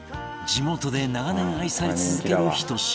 地元で長年愛され続けるひと品